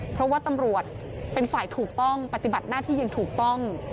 เพราะว่าตำรวจเป็นฝ่ายถูกต้องปฏิบัติหน้าที่อย่างถูกต้อง